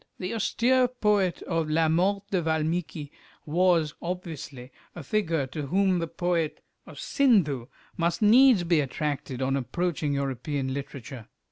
The austere poet of "La Mort de Valmiki" was, obviously, a figure to whom the poet of "Sindhu" must needs be attracted on approaching European literature.